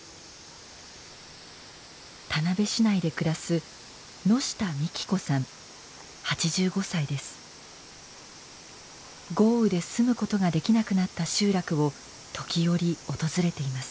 田辺市内で暮らす豪雨で住むことができなくなった集落を時折訪れています。